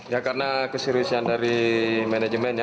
ya karena keseriusan dari manajemen ya